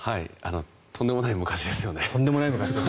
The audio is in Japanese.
とんでもない昔ですね。